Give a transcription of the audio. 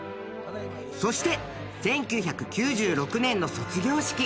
［そして１９９６年の卒業式］